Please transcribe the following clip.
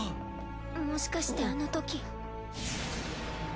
もしかしてあのとき。